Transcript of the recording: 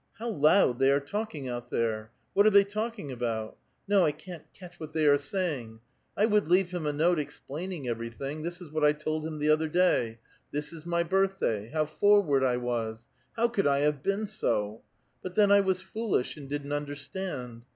How loud they are talking out there ! What are they talking about? No, I can't catch what they are A VITAL QUESTION. 115 saying. I would leave biin a note explaining everything ; this in what I told him the other day :' This is my birthday.' How forward I was ! How could 1 have been so ? But then I was foolish, and didn't understand.